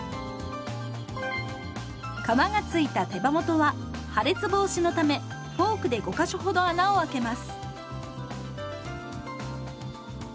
皮がついた手羽元は破裂防止のためフォークで５か所ほど穴をあけます。